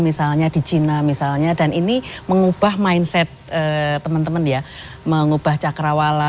misalnya di cina misalnya dan ini mengubah mindset teman teman ya mengubah cakrawala